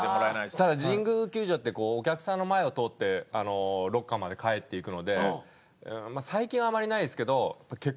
ただ神宮球場ってこうお客さんの前を通ってロッカーまで帰っていくのでまあ最近はあまりないですけど結構。